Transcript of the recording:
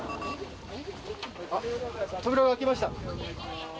扉が開きました。